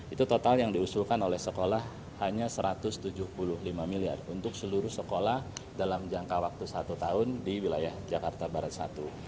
itu total yang diusulkan oleh sekolah hanya satu ratus tujuh puluh lima miliar untuk seluruh sekolah dalam jangka waktu satu tahun di wilayah jakarta barat satu